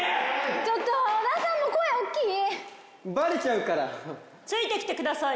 ちょっと小田さんも声大きい・バレちゃうからついてきてください